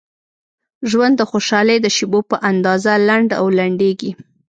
ژوند د خوشحالۍ د شیبو په اندازه لنډ او لنډیږي.